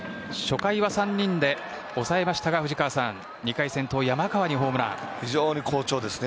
初回は３人で抑えましたが藤川さん、２回は先頭の山川にホームラン。